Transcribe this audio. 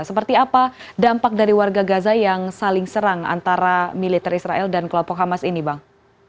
seperti apa dampak dari warga gaza yang saling serang antara militer israel dan kelompok hamas ini bang